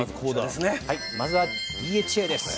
まずはＤＨＡです。